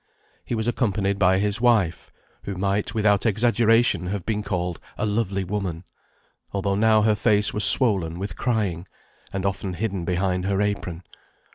He was accompanied by his wife, who might, without exaggeration, have been called a lovely woman, although now her face was swollen with crying, and often hidden behind her apron.